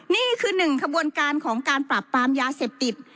นี่คือหนึ่งขบวนการของการปรับปรามยาเสพติด